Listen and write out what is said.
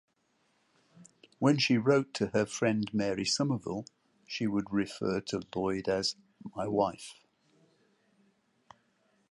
When she wrote to her friend Mary Somerville, she would refer to Lloyd as “my wife”.